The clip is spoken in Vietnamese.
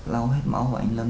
lau hết máu của anh lâm